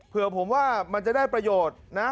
เผื่อผมว่ามันจะได้ประโยชน์นะ